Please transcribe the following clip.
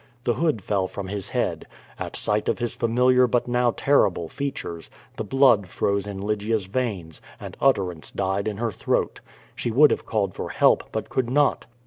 The hood fell from his head. At sight of his familiar but now terrible features, the blood froze in Lygia's veins, and utterance died in her throat. She would have called for help, but could not.